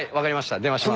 電話します。